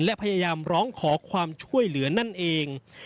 และพยายามร้องขอความช่วยเหลือนั่นเอง